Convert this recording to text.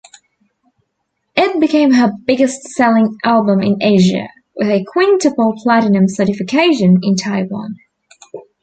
It became her biggest-selling album in Asia, with a quintuple platinum certification in Taiwan.